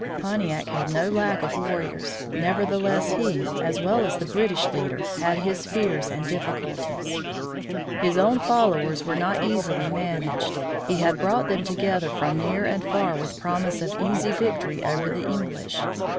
Pontiac had no lack of warriors, nevertheless he, as well as the British leader, had his fears and difficulties. His own followers were not easily managed. He had brought them together from near and far with promise of easy victory over the English.